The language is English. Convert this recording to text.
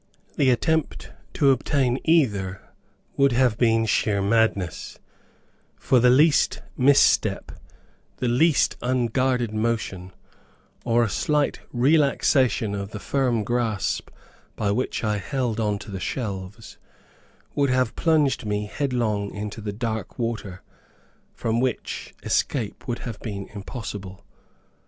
The attempt to obtain either would have been sheer madness, for the least mis step, the least unguarded motion, or a slight relaxation of the firm grasp by which I held on to the shelves, would have plunged me headlong into the dark water, from which escape would have been impossible.